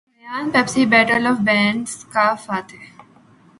بیان Pepsi battle of the bands کا فاتح